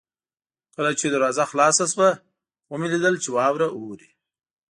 کله چې دروازه خلاصه شوه ومې لیدل چې واوره اورې.